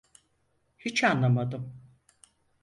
Hiç anlamadım.